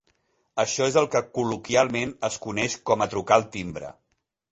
Això és el que col·loquialment es coneix com a "trucar al timbre".